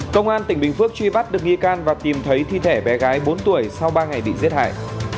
công an tỉnh bình phước truy bắt được nghi can và tìm thấy thi thể bé gái bốn tuổi sau ba ngày bị giết hại